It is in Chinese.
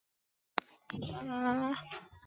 出生于神奈川县横滨市。